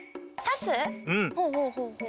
ほうほうほうほう。